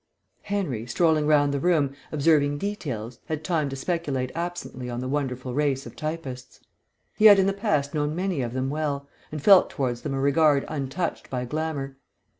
Henry, strolling round the room, observing details, had time to speculate absently on the wonderful race of typists. He had in the past known many of them well, and felt towards them a regard untouched by glamour.